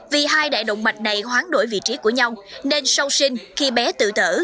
vì hai đại động mạch này hoán đổi vị trí của nhau nên sau sinh khi bé tự thở